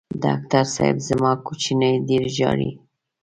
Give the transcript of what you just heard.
ډاکټر صېب زما کوچینی ډېر ژاړي